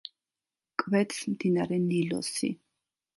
კვეთს მდინარე ნილოსი.